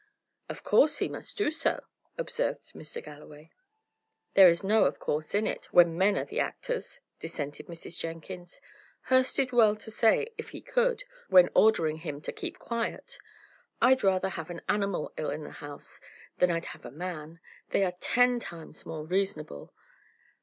"Of course he must do so," observed Mr. Galloway. "There is no of course in it, when men are the actors," dissented Mrs. Jenkins. "Hurst did well to say 'if he could,' when ordering him to keep quiet. I'd rather have an animal ill in the house, than I'd have a man they are ten times more reasonable.